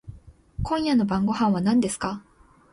今夜の晩御飯は何ですか？